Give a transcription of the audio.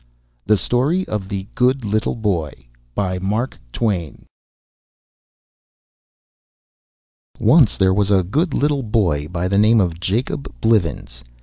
THE STORY OF THE GOOD LITTLE BOY [Written about 1865] Once there was a good little boy by the name of Jacob Blivens.